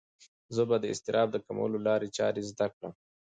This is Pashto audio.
زه به د اضطراب د کمولو لارې چارې زده کړم.